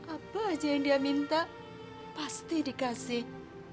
apa aja yang dia minta pasti dikasih